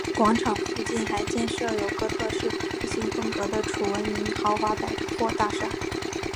广场附近还建设有哥特式复兴风格的楚闻明豪华百货大厦。